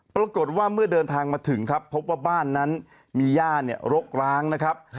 เมื่อเดินทางมาถึงครับพบว่าบ้านนั้นมีย่ารกร้างนะครับ